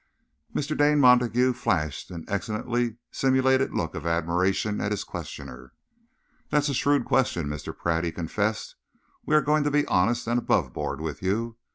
Mr. Dane Montague flashed an excellently simulated look of admiration at his questioner. "That's a shrewd question, Mr. Pratt," he confessed. "We are going to be honest and aboveboard with you.